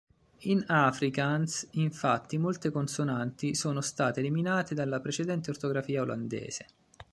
In afrikaans, infatti, molte consonanti sono state eliminate dalla precedente ortografia olandese.